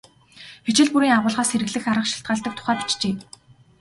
Хичээл бүрийн агуулгаас хэрэглэх арга шалтгаалдаг тухай бичжээ.